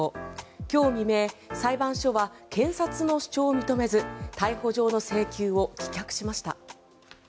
今日未明、裁判所は検察の主張を認めず逮捕状の請求を棄却しました。